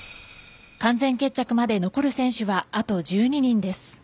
完全決着まで残る選手はあと１２人です。